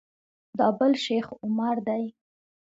دا بل شیخ عمر دی.